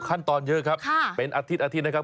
ขั้นตอนเยอะครับเป็นอาทิตยอาทิตย์นะครับ